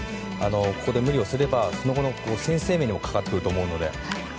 ここで無理をすればその後の選手生命にも関わってくると思うので。